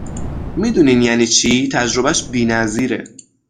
میدونین یعنی چی؟ تجربهاش بینظیره!